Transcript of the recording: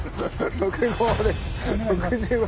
６５！